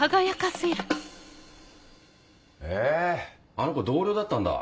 あの子同僚だったんだ。